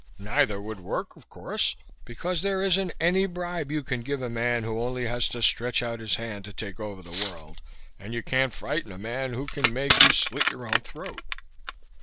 Neither would work, of course, because there isn't any bribe you can give to a man who only has to stretch out his hand to take over the world, and you can't frighten a man who can make you slit your own throat.